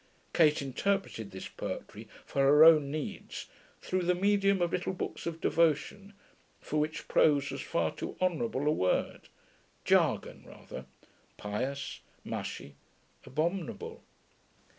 Kate interpreted this poetry for her own needs through the medium of little books of devotion for which prose was far too honourable a word; jargon, rather; pious, mushy, abominable....